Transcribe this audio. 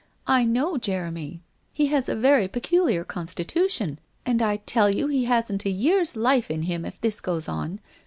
I know Jeremy. He has a very peculiar constitution, and I tell you he hasn't a year's life in him if this goes on.